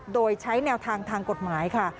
โดยใช้แนวทางทางกฎหมายค่ะ